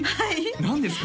何ですか？